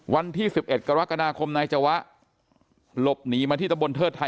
วันที่๑๑กรกฎาคมนายจวะหลบหนีมาที่ตะบนเทิดไทย